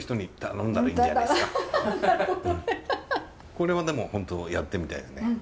これはでも本当やってみたいですね。